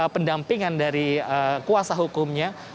pendampingan dari kuasa hukumnya